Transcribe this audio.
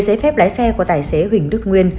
giấy phép lái xe của tài xế huỳnh đức nguyên